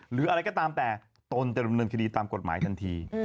หรืออะไรก็ตามแต่ตนจะดำเนินคดีตามกฎหมายทันที